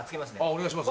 お願いします。